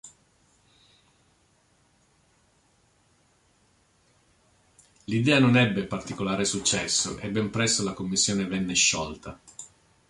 L'idea non ebbe particolare successo, e ben presto la commissione venne sciolta.